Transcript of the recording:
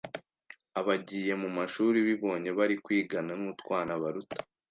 abagiye mu mashuri bibonye bari kwigana n’utwana baruta